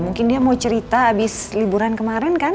mungkin dia mau cerita abis liburan kemarin kan